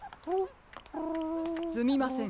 すみません。